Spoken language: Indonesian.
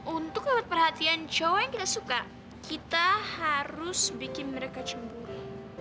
untuk lewat perhatian cewek yang kita suka kita harus bikin mereka cemburu